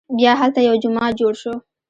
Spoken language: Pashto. بیا هلته یو جومات جوړ شو.